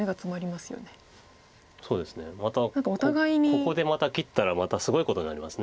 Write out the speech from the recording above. ここでまた切ったらすごいことになります。